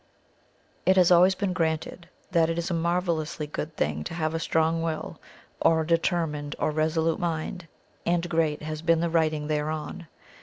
It has always been granted that it is a marvellously good thing to have a strong will, or a determined or resolute mind, and great has been the writing thereon.